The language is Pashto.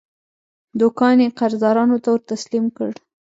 دوکان یې قرضدارانو ته ورتسلیم کړ.